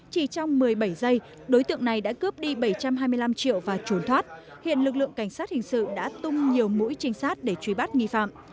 chỉ trong một mươi bảy giây đối tượng này đã cướp đi bảy trăm hai mươi năm triệu và trốn thoát hiện lực lượng cảnh sát hình sự đã tung nhiều mũi trinh sát để truy bắt nghi phạm